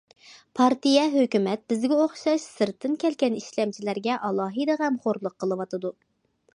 پارتىيە، ھۆكۈمەت بىزگە ئوخشاش سىرتتىن كەلگەن ئىشلەمچىلەرگە ئالاھىدە غەمخورلۇق قىلىۋاتىدۇ.